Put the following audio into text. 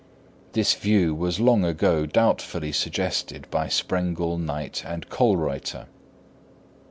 This view was long ago doubtfully suggested by Sprengel, Knight and Kölreuter.